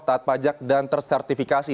tahap pajak dan tersertifikasi